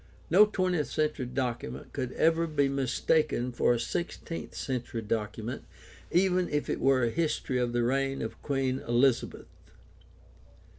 No twentieth century document could ever be mistaken for a sixteenth century document, even if it were a history of the reign of Queen Elizabeth.